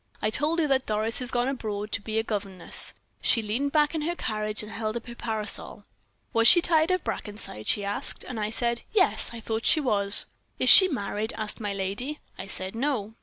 I told her that Doris had gone abroad, to be a governess; she leaned back in her carriage, and held up her parasol. "'Was she tired of Brackenside?' she asked, and I said, 'Yes I thought she was.' "'Is she married?' asked my lady. I said, 'No.'